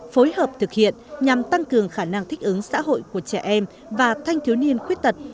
phối hợp thực hiện nhằm tăng cường khả năng thích ứng xã hội của trẻ em và thanh thiếu niên khuyết tật